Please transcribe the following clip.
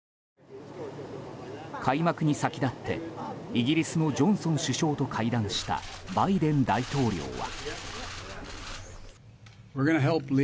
開幕に先立って、イギリスのジョンソン首相と会談したバイデン大統領は。